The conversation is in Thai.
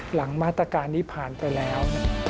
หลังมาตรการนี้ผ่านไปแล้ว